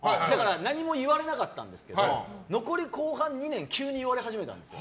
何も言われなかったんですけど残り後半２年急に言われ始めたんですよ。